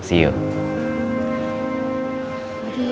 nanti saya jemput ya